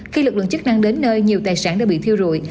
khi lực lượng chức năng đến nơi nhiều tài sản đã bị thiêu rụi